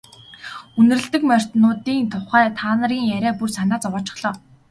Үнэрлэдэг морьтнуудын тухай та нарын яриа бүр санаа зовоочихлоо.